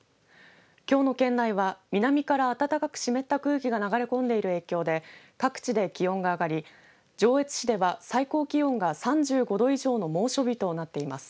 きょうの県内は南から暖かく湿った空気が流れ込んでいる影響で各地で気温が上がり上越市では最高気温が３５度以上の猛暑日となっています。